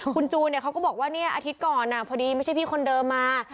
คุณจูนเขาก็บอกว่าอาทิตย์ก่อนพอดีไม่ใช่พี่คนเดิมมา